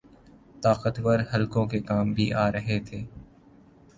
طاقتور حلقوں کے کام بھی آرہے تھے۔